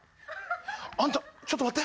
あんたちょっと待って。